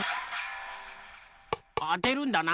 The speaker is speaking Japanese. あてるんだな。